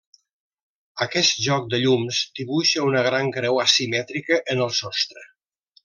Aquest joc de llums dibuixa una gran creu asimètrica en el sostre.